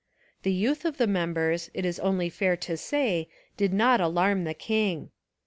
The youth of the members, it is only fair to say, did not alarm the king.